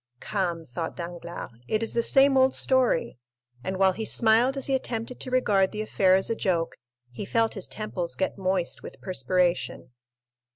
"Come," thought Danglars, "it is the same old story." And while he smiled as he attempted to regard the affair as a joke, he felt his temples get moist with perspiration.